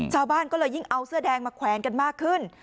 ชาวบ้านก็เลยยิ่งเอาเสื้อแดงมาแขวนกันมากขึ้น